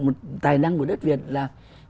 một tài năng của đất việt là